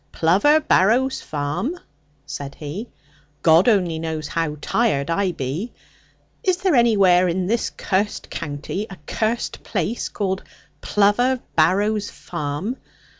'Plover Barrows farm!' said he; 'God only knows how tired I be. Is there any where in this cursed county a cursed place called Plover Barrows farm?